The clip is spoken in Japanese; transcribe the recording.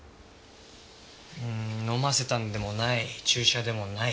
うーん飲ませたんでもない注射でもない。